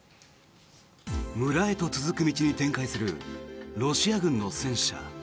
村へと続く道に展開するロシア軍の戦車。